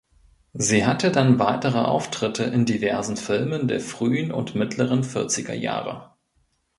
Sie hatte dann weitere Auftritte in diversen Filmen der frühen und mittleren vierziger Jahre.